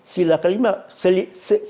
sila kelima sila kelima pencah sila